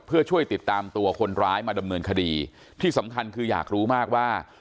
เพื่อช่วยติดตามตัวคนร้ายมาดำเนินคดีที่สำคัญคืออยากรู้มากว่า